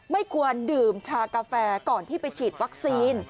ไม่ควรดื่มชากาแฟก่อนที่ไปฉีดวัคซีน